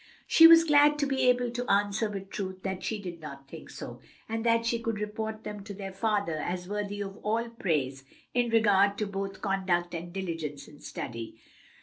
She was glad to be able to answer with truth that she did not think so, and that she could report them to their father as worthy of all praise in regard to both conduct and diligence in study.